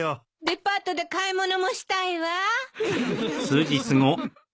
デパートで買い物もしたいわ！